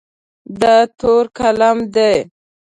دا تور قلم دی.